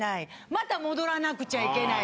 また戻らなくちゃいけない。